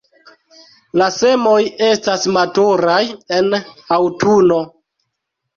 La semoj estas maturaj en aŭtuno.